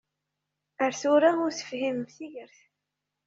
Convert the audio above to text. Ar tura ur tefhim tigert.